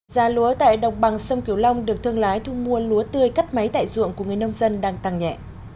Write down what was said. giá lúa tại đồng bằng sông kiều long được thương lái thu mua lúa tươi cắt máy tại ruộng của người nông dân đang tăng nhẹ